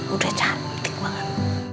udah cantik banget